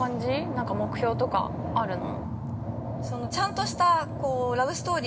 なんか目標とかあるの？